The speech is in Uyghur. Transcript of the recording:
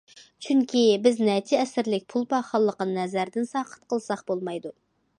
چۈنكى، بىز نەچچە ئەسىرلىك پۇل پاخاللىقىنى نەزەردىن ساقىت قىلساق بولمايدۇ.